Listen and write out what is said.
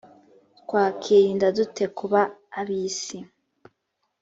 twakwirinda dute kuba ab isi